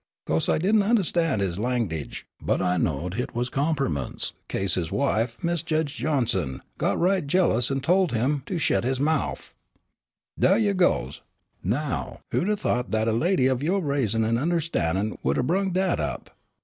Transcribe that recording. Co'se, I didn't unnerstan' his langidge, but I knowed hit was comperments, 'case his wife, Mis' Jedge Johnson, got right jealous an' told him to shet his mouf. "Dah you goes. Now, who'd 'a' thought dat a lady of yo' raisin' an unnerstannin' would 'a' brung dat up.